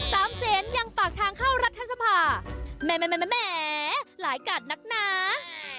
สามเซนยังปากทางเข้ารัฐธรรมภาพแหมหลายกาศนักหนา